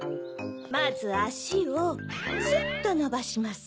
まずあしをスッとのばします。